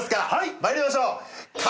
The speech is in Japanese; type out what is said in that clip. まいりましょう！